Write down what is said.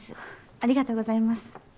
ありがとうございます。